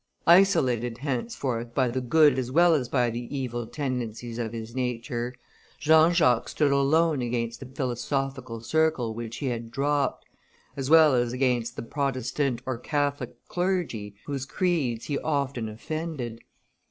Isolated henceforth by the good as well as by the evil tendencies of his nature, Jean Jacques stood alone against the philosophical circle which he had dropped, as well as against the Protestant or Catholic clergy whose creeds he often offended.